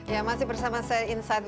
ya masih bersama saya insight